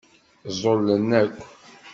Ẓẓulen akk.